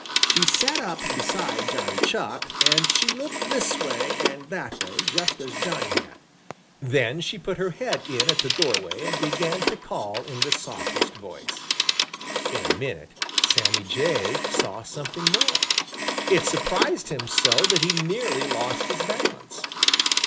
She sat up beside Johnny Chuck, and she looked this way and that way, just as Johnny had. Then she put her head in at the doorway and began to call in the softest voice. In a minute Sammy Jay saw something more. It surprised him so that he nearly lost his balance.